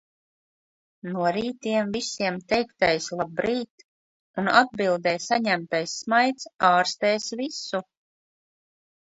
No rītiem visiem teiktais "labrīt" un atbildē saņemtais smaids ārstēs visu.